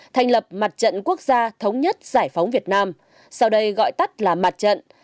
thành lập mặt trận quốc gia thống nhất giải phóng việt nam sau đây gọi tắt là mặt trận